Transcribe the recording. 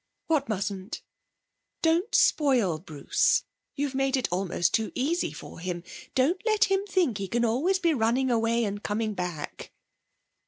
'What mustn't?' 'Don't spoil Bruce. You've made it almost too easy for him. Don't let him think he can always be running away and coming back!'